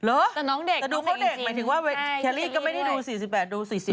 อุ๊ยแต่น้องเด็กน้องเด็กจริงใช่เคลลี่ก็ไม่ได้ดู๔๘ดู๔๐